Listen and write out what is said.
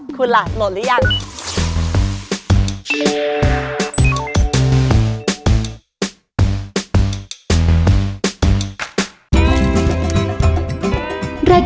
คุณล่ะโหลดหรือยัง